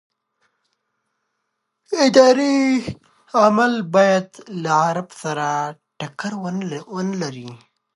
اداري عمل باید له عرف سره ټکر ونه لري.